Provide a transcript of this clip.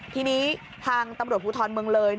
ทีนี้ทางตำรวจภูทรเมืองเลย